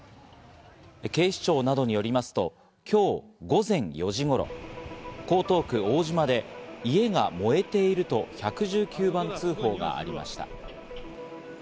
警視庁などによりますと、今日午前４時頃、江東区大島で家が燃えていると１１９番通報がありました。